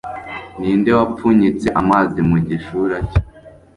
ni nde wapfunyitse amazi mu gishura cye